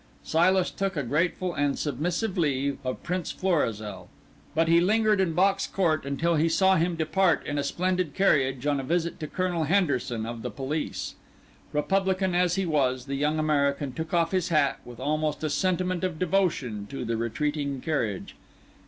Silas took a grateful and submissive leave of Prince Florizel, but he lingered in Box Court until he saw him depart in a splendid carriage on a visit to Colonel Henderson of the police. Republican as he was, the young American took off his hat with almost a sentiment of devotion to the retreating carriage.